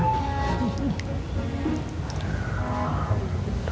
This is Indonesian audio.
dan kau bisa ngelanjutin pengobatan dirumah